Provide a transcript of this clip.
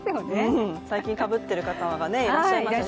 うん、最近、かぶってる方がいらっしゃいますから。